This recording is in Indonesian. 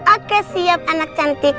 oke siap anak cantik